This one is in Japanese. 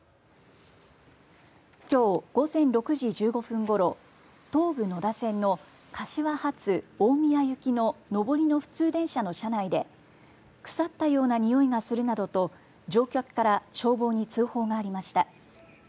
きょう午前６時１５分ごろ東武野田線の柏発大宮行きの上りの普通電車の車内で腐ったようなにおいがするなどと乗客から消防に通報がありました。